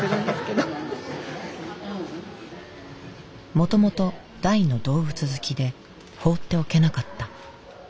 もともと大の動物好きで放っておけなかった。